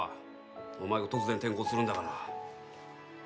お前が突然転校するんだから。